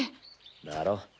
だろ？